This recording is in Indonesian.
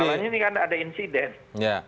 soalnya ini kan ada insiden